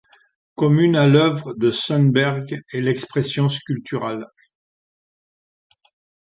Commune à l'œuvre de Sundberg est l'expression sculpturale.